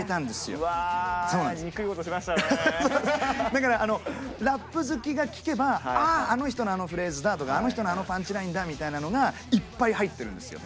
だからあのラップ好きが聴けば「あああの人のあのフレーズだ」とか「あの人のあのパンチラインだ」みたいなのがいっぱい入ってるんですよ。